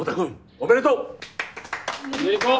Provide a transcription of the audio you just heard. おめでとう。